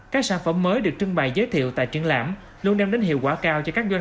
các sản phẩm mới được trưng bày giới thiệu tại triển lãm luôn đem đến hiệu quả cao cho các doanh